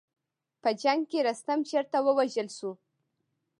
په جنګ کې رستم چېرته ووژل شو.